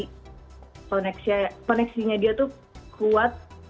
koneksinya dia tuh kuat